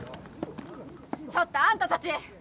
ちょっとあんたたち！